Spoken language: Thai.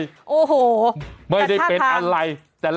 สรุปเป็นอะไรอะ